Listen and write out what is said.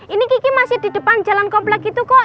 ini kiki masih di depan jalan komplek gitu kok